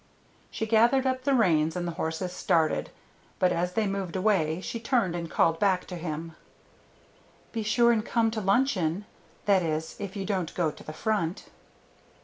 She gathered up the reins and the horses started, but as they moved away she turned and called back to him, "Be sure and come out to luncheon that is, if you don't go to the front."